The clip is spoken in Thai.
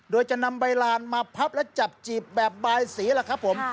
โดยจะนำใบลานมาพับและจับจีบแบบบายสีล่ะครับผม